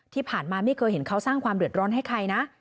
ที่ผ่านมาไม่เคยเห็นเขาสร้างความเดือดร้อนให้ใครนะ